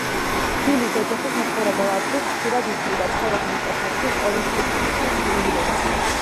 ბილის ოჯახი საცხოვრებელ ადგილს ხშირად იცვლიდა; ცხოვრობდნენ ტეხასში, კონექტიკუტში, ილინოისში.